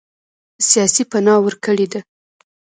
سیاسي پناه ورکړې ده.